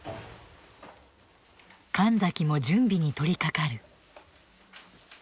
神崎も準備に取りかかる。